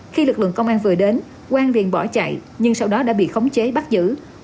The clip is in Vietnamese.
khi lực lượng công an vừa đến quang liền bỏ chạy nhưng sau đó đã bị khống chế bắt giữ